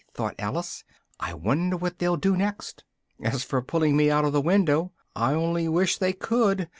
thought Alice, "I wonder what they'll do next! As for pulling me out of the window, I only wish they could!